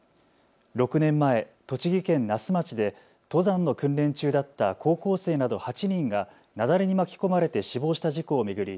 ６年前、栃木県那須町で登山の訓練中だった高校生など８人が雪崩に巻き込まれて死亡した事故を巡り